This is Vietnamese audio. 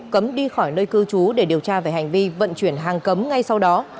cấm đi khỏi nơi cư trú để điều tra về hành vi vận chuyển hàng cấm ngay sau đó